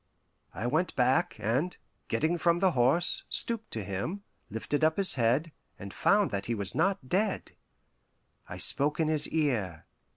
I went back, and, getting from the horse, stooped to him, lifted up his head, and found that he was not dead. I spoke in his ear.